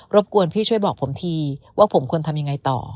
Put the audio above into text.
บกวนพี่ช่วยบอกผมทีว่าผมควรทำยังไงต่อ